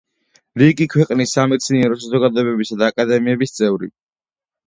რიგი ქვეყნის სამეცნიერო საზოგადოებებისა და აკადემიების წევრი.